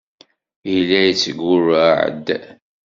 Yella yettgurruɛ-d.